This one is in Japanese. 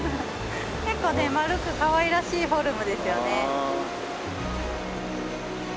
結構ね丸くかわいらしいフォルムですよね。